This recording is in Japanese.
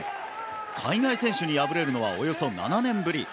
海外選手に敗れるのはおよそ７年ぶり。